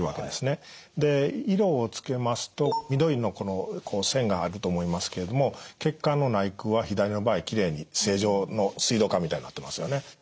で色をつけますと緑のこのこう線があると思いますけれども血管の内腔は左の場合きれいに正常の水道管みたいなってますよね。